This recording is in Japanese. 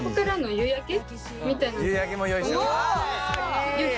夕焼けも用意して。